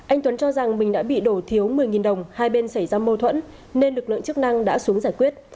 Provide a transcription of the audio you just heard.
anh tuấn cho rằng mình đã bị đổ thiếu một mươi đồng hai bên xảy ra mâu thuẫn nên lực lượng chức năng đã xuống giải quyết